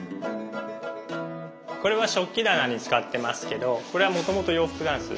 これは食器棚に使ってますけどこれはもともと洋服ダンス。